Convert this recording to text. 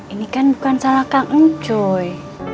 ini kan bukan salah kak ngooy